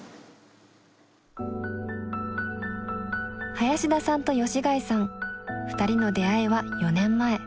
林田さんと吉開さんふたりの出会いは４年前。